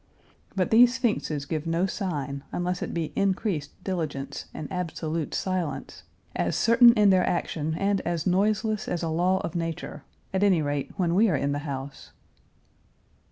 But these sphinxes give no sign, unless it be increased diligence and absolute silence, as certain in their action and as noiseless as a law of nature, at any rate when we are in the house.